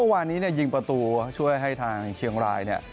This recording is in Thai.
วานนี้เนี่ยยิงประตูช่วยให้ทางเชียงรายเนี่ย